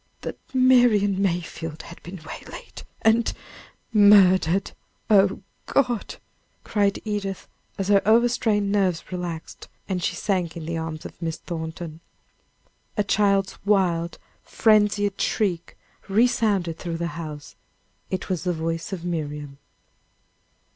"That Marian Mayfield had been waylaid, and " "Murdered! Oh, God!" cried Edith, as her over strained nerves relaxed, and she sank in the arms of Miss Thornton. A child's wild, frenzied shriek resounded through the house. It was the voice of Miriam.